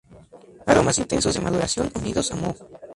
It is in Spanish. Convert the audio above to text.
Aromas intensos de maduración unidos a moho.